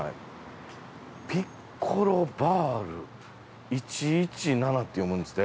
「ピッコロバールイチイチナナ」って読むんですって